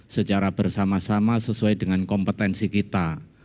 secara bersama sama sesuai dengan kompetensi kita